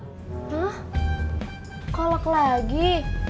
hah kolak lagi